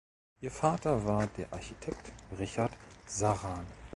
Ihr Vater war der Architekt Richard Saran.